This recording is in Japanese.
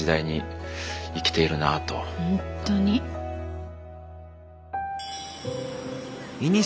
ほんとに。